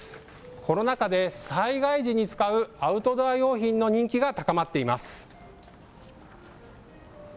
コロナ禍で、災害時に使うアウトドア用品の人気が高まっています。